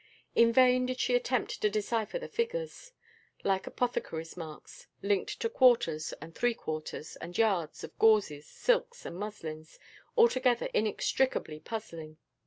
In vain did she attempt to decipher the figures, like apothecaries' marks, linked to quarters and three quarters, and yards, of gauzes, silks, and muslins, altogether inextricably puzzling.